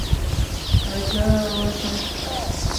ہر جاغا اوہے سا